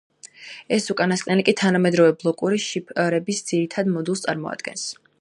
ეს უკანასკნელი კი თანამედროვე ბლოკური შიფრების ძირითად მოდულს წარმოადგენს.